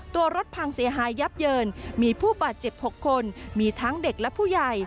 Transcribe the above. ตัวรถพังเสียหายยับเยินมีผู้บาดเจ็บ๖คนมีทั้งเด็กและผู้ใหญ่